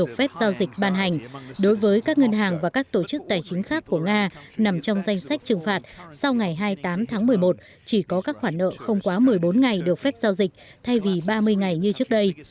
được phép giao dịch ban hành đối với các ngân hàng và các tổ chức tài chính khác của nga nằm trong danh sách trừng phạt sau ngày hai mươi tám tháng một mươi một chỉ có các khoản nợ không quá một mươi bốn ngày được phép giao dịch thay vì ba mươi ngày như trước đây